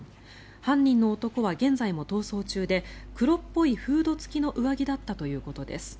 犯人の男は現在も逃走中で黒っぽいフード付きの上着だったということです。